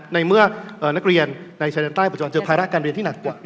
ในเมื่อนักเรียนในชายแดนใต้ประจรเจอภาระการเรียนที่หนักกว่า